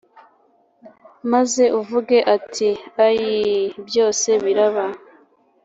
Maze uvuge uti ayii byose biraba